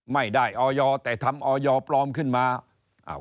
ไม่ได้ออยแต่ทำออยปลอมขึ้นมา